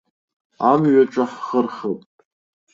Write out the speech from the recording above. Амҩаҿы ҳхырхып.